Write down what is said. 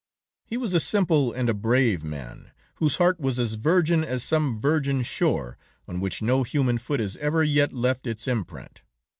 "He was a simple and a brave man, whose heart was as virgin as some virgin shore, on which no human foot has ever yet left its imprint.